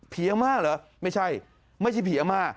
อาม่าเหรอไม่ใช่ไม่ใช่ผีอาม่า